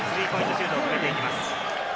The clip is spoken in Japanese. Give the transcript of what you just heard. シュートを決めていきます。